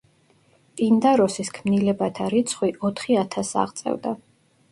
პინდაროსის ქმნილებათა რიცხვი ოთხი ათასს აღწევდა.